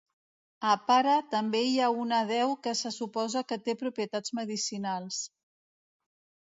A Para també hi ha una deu que se suposa que té propietats medicinals.